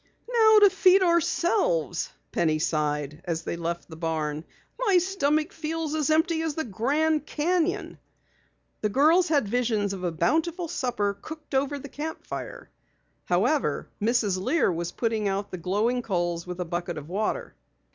"Now to feed ourselves," Penny sighed as they left the barn. "My stomach feels as empty as the Grand Canyon!" The girls had visions of a bountiful supper cooked over the camp fire. However, Mrs. Lear was putting out the glowing coals with a bucket of water.